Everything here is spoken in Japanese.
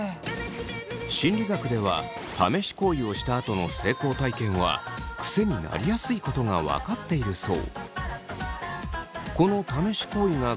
心理学では試し行為をしたあとの成功体験はクセになりやすいことが分かっているそう。